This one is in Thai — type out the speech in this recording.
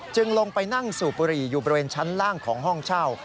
ลงไปนั่งสูบบุหรี่อยู่บริเวณชั้นล่างของห้องเช่า